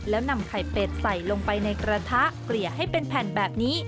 แล้วนำไข่เป็ดใส่ลงไปในกระทะเกลี่ยให้เป็นแผ่นแบบนี้